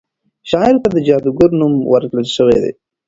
شاعر ته د جادوګر نوم ورکړل شوی دی.